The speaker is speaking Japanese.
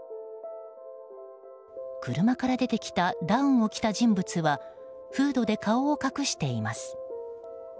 車から出てきたダウンを着た人物はフードで顔を隠しています。